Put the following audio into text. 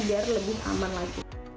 biar lebih aman lagi